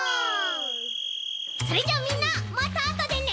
それじゃみんなまたあとでね。